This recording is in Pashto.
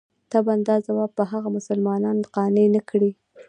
طبعاً دا ځواب به هغه مسلمانان قانع نه کړي.